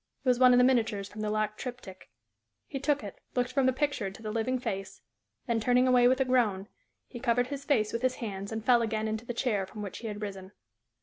It was one of the miniatures from the locked triptych. He took it, looked from the pictured to the living face, then, turning away with a groan, he covered his face with his hands and fell again into the chair from which he had risen.